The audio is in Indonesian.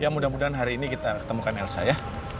ya mudah mudahan hari ini kita ketemukan elsa ya